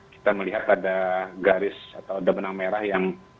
kita melihat pada garis atau ada benang merah yang